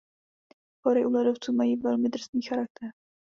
Hory u ledovců mají velmi drsný charakter.